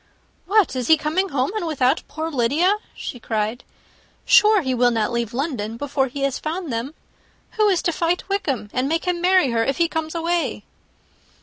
"What! is he coming home, and without poor Lydia?" she cried. "Sure he will not leave London before he has found them. Who is to fight Wickham, and make him marry her, if he comes away?"